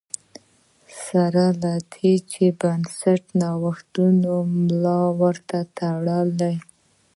سره له دې چې بنسټي نوښتونو ملا ور وتړله